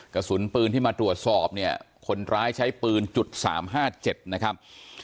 กระสุนปืนที่มาตรวจสอบเนี่ยคนร้ายใช้ปืนจุด๓๕๗นะครับ